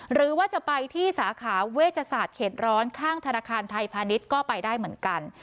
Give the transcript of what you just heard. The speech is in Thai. หรือว่าจะไปที่สาขาเวชศาสตร์เขตร้อนข้างธนาคารไทยพาณิชย์ก็ไปได้เหมือนกัน